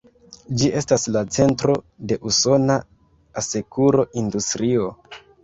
Ĝi estas la centro de usona asekuro-industrio.